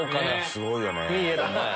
すごいよね。